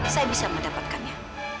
saya bisa mendapatkannya